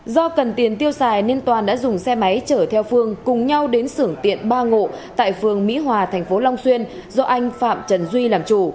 do cần tiền tiêu xài nên toàn đã dùng xe máy chở theo phương cùng nhau đến sưởng tiện ba ngộ tại phường mỹ hòa thành phố long xuyên do anh phạm trần duy làm chủ